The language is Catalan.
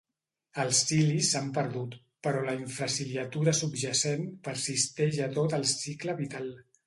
Els cilis s'han perdut, però la infraciliatura subjacent persisteix a tot el cicle vital.